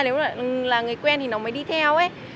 nếu là người quen thì nó mới đi theo ấy